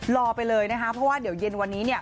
รอไปเลยนะคะเพราะว่าเดี๋ยวเย็นวันนี้เนี่ย